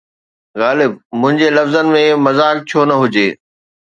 غالب! منهنجي لفظن ۾ مذاق ڇو نه هجي؟